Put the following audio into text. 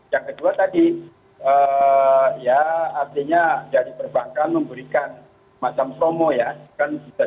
yang kedua tadi ya artinya dari perbankan memberikan macam promo ya